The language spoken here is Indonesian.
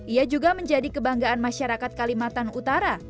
ia juga menjadi kebanggaan masyarakat kalimantan utara